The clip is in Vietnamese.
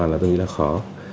là tôi nghĩ là khó